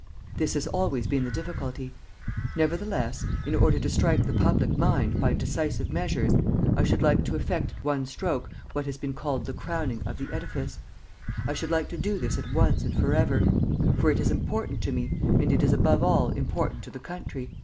This has always been the difficulty. Nevertheless, in order to strike the public mind by decisive measures, I should like to effect at one stroke what has been called the crowning of the edifice. I should like to do this at once and forever; for it is important to me, and it is above all important to the country....